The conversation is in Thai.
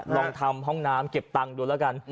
ลองทำห้องน้ำเก็บตังค์ดูแล้วกัน